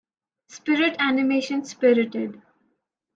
Spirit animation Spirited.